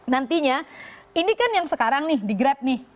nantinya ini kan yang sekarang nih di grab nih